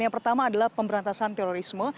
yang pertama adalah pemberantasan terorisme